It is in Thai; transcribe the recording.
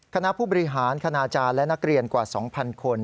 คณะผู้บริหารคณาจารย์และนักเรียนกว่า๒๐๐คน